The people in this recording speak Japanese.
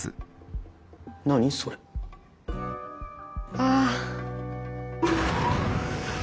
ああ。